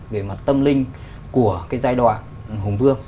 về mặt tâm linh của cái giai đoạn hùng vương